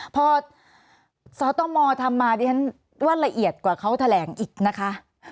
พอสตมทำมาดิฉันว่าละเอียดกว่าเขาแถลงอีกนะคะ